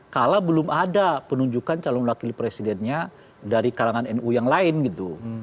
kalau belum ada penunjukan calon wakil presidennya dari kalangan nu yang lain gitu